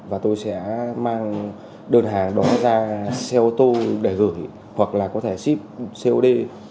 và tôi sẽ mang đơn hàng đó ra xe ô tô để gửi hoặc là có thể ship cod